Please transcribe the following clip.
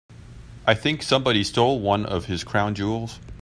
I think somebody stole one of his crown jewels.